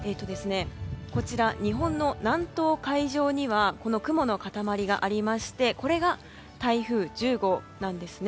日本の南東海上には雲の塊がありましてこれが台風１０号なんです。